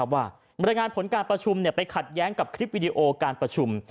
บรรยายงานผลการประชุมไปขัดแย้งกับคลิปวิดีโอการประชุม